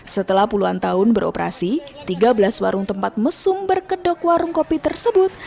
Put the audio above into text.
setelah puluhan tahun beroperasi tiga belas warung tempat mesum berkedok warung kopi tersebut